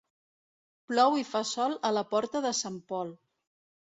Plou i fa sol a la porta de sant Pol.